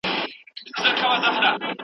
بيا ولې ستا د ښايست هغه عالمگير ورک دی؟